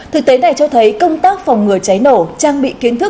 thực tế này cho thấy công tác phòng ngừa cháy nổ trang bị kiến thức